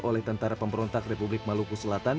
oleh tentara pemberontak republik maluku selatan